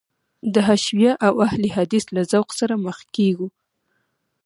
د حشویه او اهل حدیث له ذوق سره مخ کېږو.